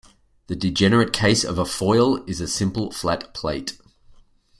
The degenerate case of a foil is a simple flat plate.